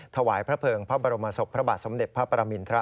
ถวายพระเภิงพระบรมศพพระบาทสมเด็จพระปรมินทร